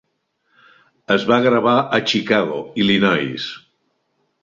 Es va gravar a Chicago, Illinois.